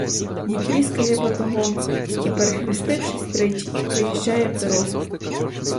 Дід тріскає батогом і, перехрестившись тричі, виїжджає в дорогу.